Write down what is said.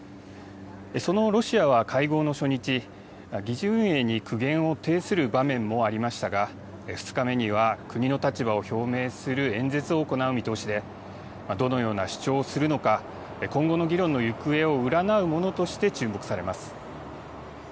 そのロシアは会合の初日、議事運営に苦言を呈する場面もありましたが、２日目には国の立場を表明する演説を行う見通しで、どのような主張をするのか、今後の議論の行方を占うものとして注目されます。